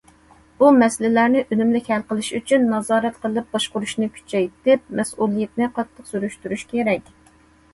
بۇ مەسىلىلەرنى ئۈنۈملۈك ھەل قىلىش ئۈچۈن، نازارەت قىلىپ باشقۇرۇشنى كۈچەيتىپ، مەسئۇلىيەتنى قاتتىق سۈرۈشتۈرۈش كېرەك.